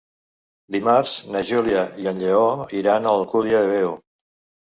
Dimarts na Júlia i en Lleó iran a l'Alcúdia de Veo.